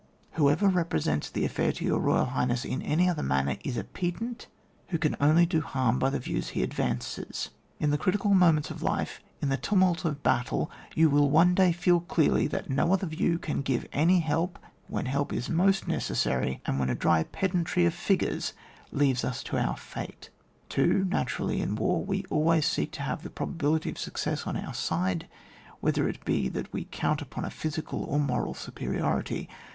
Whoever represents the affair to your Royal Highness in any other manner is VOL. III. a pedant, who can only do harm by the views he advances. In the critical mo ments of life, in the timiult of battle, you will one day feel clearly that no other view can give any help when help is most necessary, and when a dry pedantry of figures leaves us to our fate. 2. NaturaUy in war we always seek to have the probability of success on our side, whether it be that we count upon a physical or moral superiority.